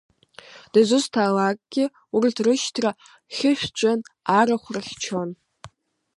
Дызусҭазаалакгьы урҭ рышьҭра хьышьцәан, арахә рыхьчон.